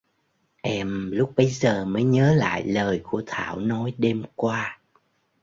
Em lúc bấy giờ mới nhớ lại lời của Thảo nói đêm qua